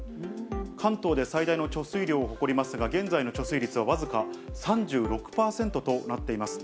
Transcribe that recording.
関東で最大の貯水量を誇りますが、現在の貯水率は僅か３６％となっています。